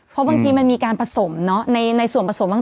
เพราะบางทีมันมีการผสมในส่วนผสมบ้าง